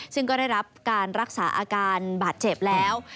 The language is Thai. ซึ่งก็ได้รับการรักษาอาการบาดเจ็บแล้ว